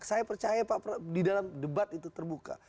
saya percaya di dalam debat itu terbuka